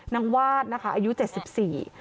วาดนะคะอายุเจ็ดสิบสี่